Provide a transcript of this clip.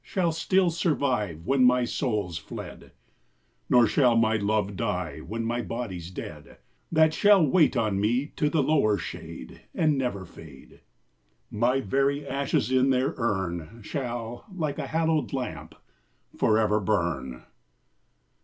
Shall still survive Wlien my soul's fled ; Nor shall my love die, when ray Ijody's dead ; That shall wait on me to the lower shade, And never fade : My very ashes in their urn Shall, like a hallowed lamp, for ever burn.